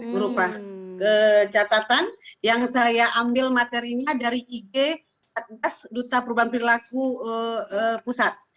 berupa catatan yang saya ambil materinya dari ig empat belas duta perubahan perlaku pusat